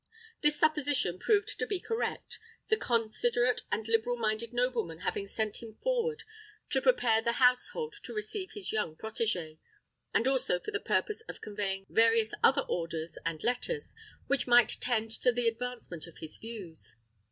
This supposition proved to be correct: the considerate and liberal minded nobleman having sent him forward to prepare the household to receive his young protegé, and also for the purpose of conveying various other orders and letters, which might tend to the advancement of his views.